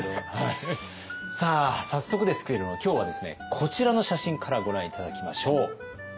さあ早速ですけれども今日はですねこちらの写真からご覧頂きましょう。